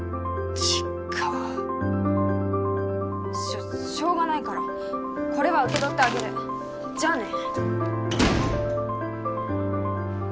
しょしょうがないからこれは受け取ってあげるじゃあね